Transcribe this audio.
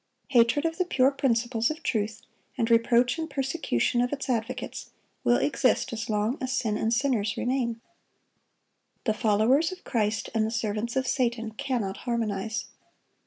Hatred of the pure principles of truth, and reproach and persecution of its advocates, will exist as long as sin and sinners remain. The followers of Christ and the servants of Satan cannot harmonize.